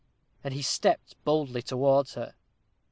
And he stepped boldly towards her.